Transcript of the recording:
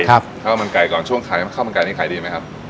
ข้าวมันไก่ก่อนช่วงขายข้าวมันไก่นี่ขายดีไหมครับ